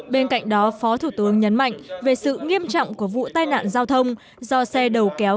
bên cạnh đó phó thủ tướng nhấn mạnh về sự nghiêm trọng của vụ tai nạn giao thông do xe đầu kéo